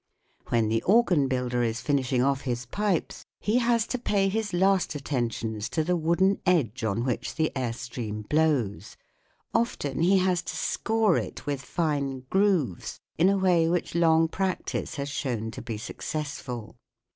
When the organ builder is finishing off his pipes he has to pay his last attentions to the wooden edge on which the air stream blows ; often he has to score it with fine grooves in a way which long practice has shown to be successful.